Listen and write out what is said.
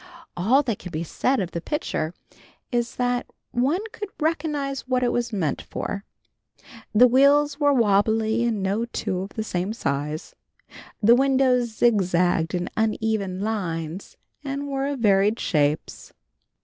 All that can be said of the picture is that one could recognize what it was meant for. The wheels were wobbly and no two of the same size, the windows zigzagged in uneven lines and were of varied shapes.